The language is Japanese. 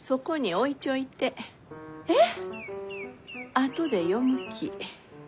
あとで読むき。